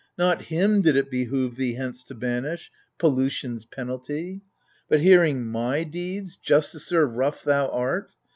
Not hivi did it behove thee hence to banish — Pollution's penalty ? But hearing viy deeds Justicer rough thou art